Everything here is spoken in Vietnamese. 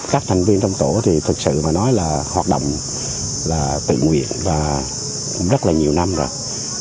các thành viên trong tổ thì thực sự mà nói là hoạt động là tự nguyện và rất là nhiều năm rồi